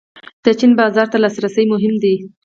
د چین بازار ته لاسرسی مهم دی